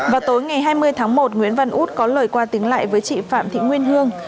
vào tối ngày hai mươi tháng một nguyễn văn út có lời qua tiếng lại với chị phạm thị nguyên hương